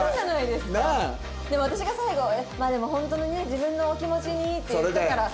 でも私が最後「まあでも本当にね自分のお気持ちに」って言ったから。